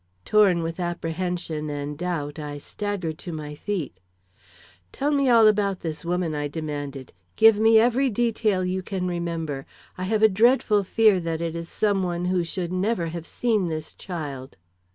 Torn with apprehension and doubt, I staggered to my feet. "Tell me all about this woman," I demanded. "Give me every detail you can remember. I have a dreadful fear that it is some one who should never have seen this child."